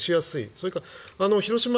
それから広島